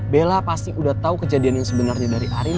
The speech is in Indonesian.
bella pasti udah tahu kejadian yang sebenarnya dari arin